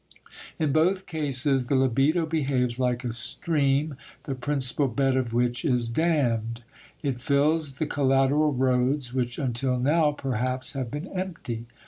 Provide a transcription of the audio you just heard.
In both cases the libido behaves like a stream the principal bed of which is dammed; it fills the collateral roads which until now perhaps have been empty.